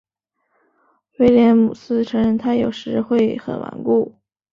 威廉姆斯承认他有时会很顽固。